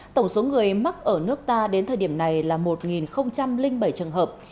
tổng số người mắc ở nước ta đến thời điểm này là một bảy trường hợp